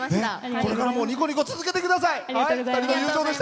これからもニコニコ続けてください。